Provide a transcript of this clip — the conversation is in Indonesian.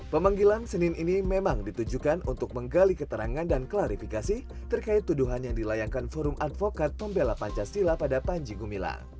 pemanggilan senin ini memang ditujukan untuk menggali keterangan dan klarifikasi terkait tuduhan yang dilayangkan forum advokat pembela pancasila pada panji gumilang